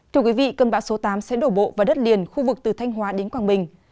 thưa quý vị cơn bão số tám sẽ đổ bộ vào đất liền khu vực từ thanh hóa đến quảng bình